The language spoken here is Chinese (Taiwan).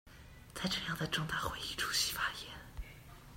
在這樣的重大會議出席發言